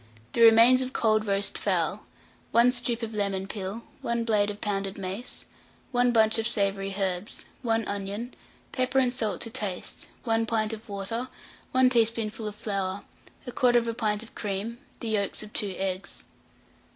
The remains of cold roast fowl, 1 strip of lemon peel, 1 blade of pounded mace, 1 bunch of savoury herbs, 1 onion, popper and salt to taste, 1 pint of water, 1 teaspoonful of flour, 1/4 pint of cream, the yolks of 2 eggs.